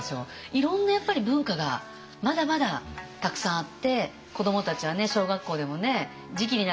いろんなやっぱり文化がまだまだたくさんあって子どもたちはね小学校でもね時期になるとね